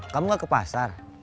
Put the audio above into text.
kamu gak ke pasar